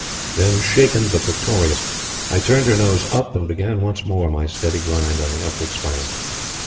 Then, shaken but victorious, I turned her nose up and began once more my steady grind on the upward spiral.